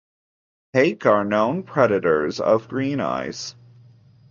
Hake are known predators of greeneyes.